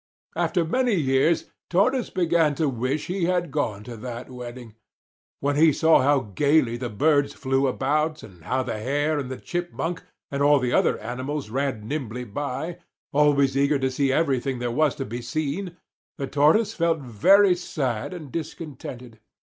After many years, Tortoise began to wish he had gone to that wedding. When he saw how gaily the birds flew about and how the Hare and the Chipmunk and all the other animals ran nimbly by, always eager to see everything there was to be seen, the Tortoise felt very sad and discontented.